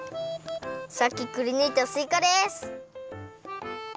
さっきくりぬいたすいかです！